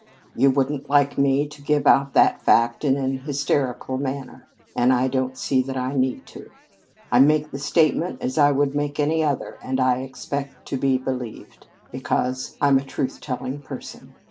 You wouldn't like me to give out that fact in an hysterical manner, and I don't see that I need to. I make the statement as I would make any other, and I expect to be believed, because I'm a truth telling person.